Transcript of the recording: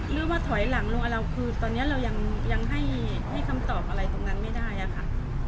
หรือว่าถอยหลังลงกับเราคือตอนนี้เรายังให้คำตอบอะไรตรงนั้นไม่ได้อะค่ะ